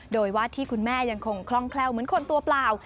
โดยวาดที่คุณแม่ยังคงคล่องแคล่วเหมือนคนตัวเปล่า